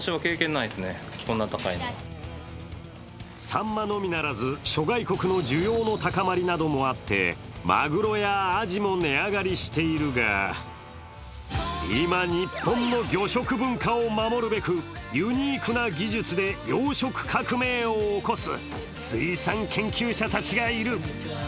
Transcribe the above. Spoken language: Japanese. サンマのみならず諸外国の需要の高まりなどもあってマグロやアジも値上がりしているが、今、日本の魚食文化を守るべく、ユニークな技術で養殖革命を起こす水産研究者たちがいる。